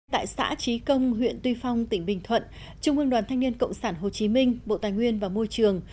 tại xã trí công huyện tuy phong tỉnh bình thuận trung ương đoàn thanh niên cộng sản hồ chí minh bộ tài nguyên và môi trường